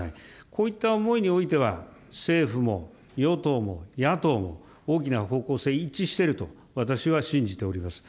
こういった思いにおいては、政府も与党も野党も、大きな方向性、一致していると私は信じております。